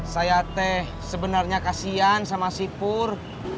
saya teh sebenarnya kasihan sama si pur